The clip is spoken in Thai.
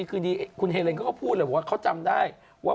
คือเฮเลนส์ก็จะบอกว่า